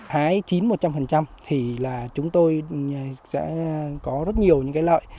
hái chín một trăm linh thì là chúng tôi sẽ có rất nhiều những cái lợi